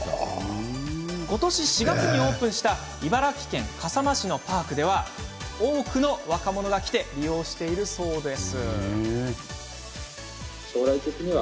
ことし４月にオープンした茨城県笠間市のパークでは多くの若者が来て利用しているといいます。